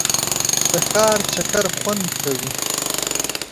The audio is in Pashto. د ښار چکر خوند کوي.